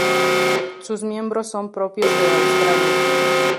Sus miembros son propios de Australia.